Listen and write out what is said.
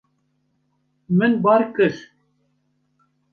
Min bar kir.